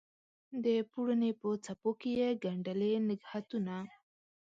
د پوړنې په څپو کې یې ګنډلي نګهتونه